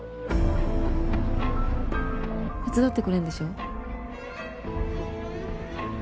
手伝ってくれるんでしょ？